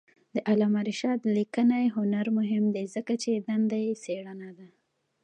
د علامه رشاد لیکنی هنر مهم دی ځکه چې دنده یې څېړنه ده.